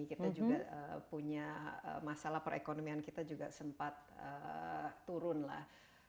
kita juga punya masalah perekonomian kita juga sempat turun lah